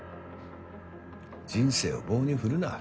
人生を棒に振るな。